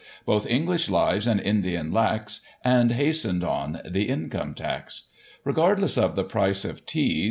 Both English lives and Indian lacs, And hastened on the Income Tax. Regardless of the price of teas.